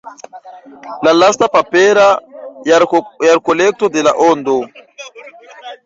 La lasta papera jarkolekto de La Ondo.